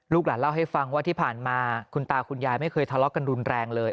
หลานเล่าให้ฟังว่าที่ผ่านมาคุณตาคุณยายไม่เคยทะเลาะกันรุนแรงเลย